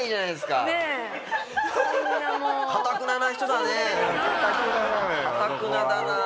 かたくなな人だねえ。